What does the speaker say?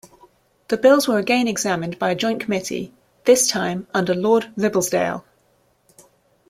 The bills were again examined by a joint committee, this time under Lord Ribblesdale.